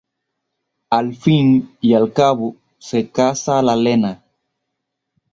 Al fin y al cabo se casa la nena.